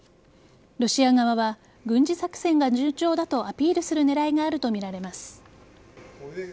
ロシア側は軍事作戦が順調だとアピールする狙いがあるとみられます。